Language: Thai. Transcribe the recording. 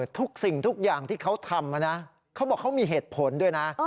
ทุกสิ่งทุกอย่างที่เขาทำนะเขาบอกเขามีเหตุผลด้วยนะ